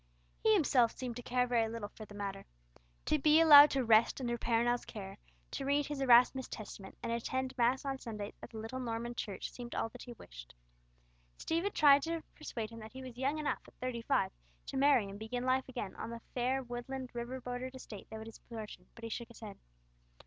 He himself seemed to care very little for the matter. To be allowed to rest under Perronel's care, to read his Erasmus' Testament, and attend mass on Sundays at the little Norman church, seemed all that he wished. Stephen tried to persuade him that he was young enough at thirty five to marry and begin life again on the fair woodland river bordered estate that was his portion, but he shook his head.